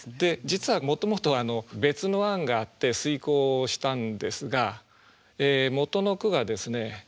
実はもともと別の案があって推敲したんですがもとの句がですね